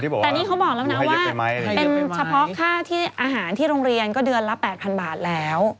เขาว่ายังงั้นน่ะ